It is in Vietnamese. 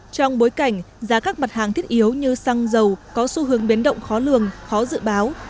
trong bối cảnh giá các mặt hàng thiết yếu như xăng dầu có xu hướng biến động khó lường khó dự báo